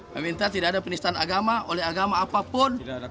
kami minta tidak ada penistan agama oleh agama apapun